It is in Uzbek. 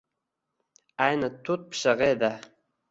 Ayni tut pishig‘i edi.